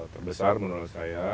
terbesar menurut saya